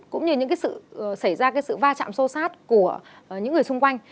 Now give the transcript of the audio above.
cũng như những sự xảy ra sự va chạm sâu sát của những người xung quanh